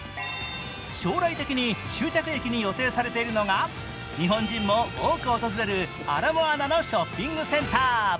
将来的に終着駅に予定されているのが日本人も多く訪れるアラモアナのショッピングセンター。